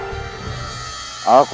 maaf anakku putraku